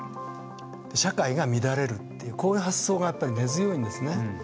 社会が乱れるっていう発想が根強いんですね。